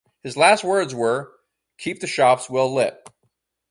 His last words were "Keep the shops well lit".